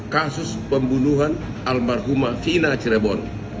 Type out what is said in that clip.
kasus pembunuhan almarhumah sina cirebon